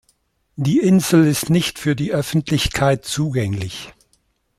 Die Insel ist nicht für die Öffentlichkeit zugänglich.